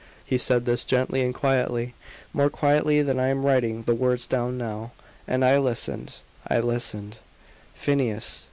He said this gently and quietly more quietly than I am writing the words down now; and I listened I listened. "Phineas!"